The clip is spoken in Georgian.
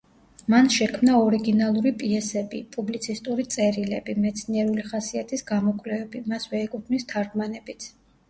მან შექმნა ორიგინალური პიესები, პუბლიცისტური წერილები, მეცნიერული ხასიათის გამოკვლევები, მასვე ეკუთვნის თარგმანებიც.